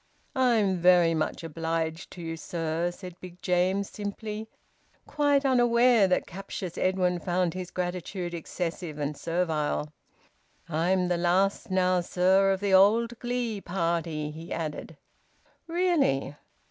"I'm very much obliged to you, sir," said Big James simply, quite unaware that captious Edwin found his gratitude excessive and servile. "I'm the last now, sir, of the old glee party," he added. "Really!"